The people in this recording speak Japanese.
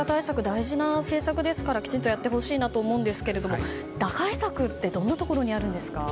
大事な政策ですからきちんとやってほしいなと思うんですけれども打開策ってどんなところにあるんですか？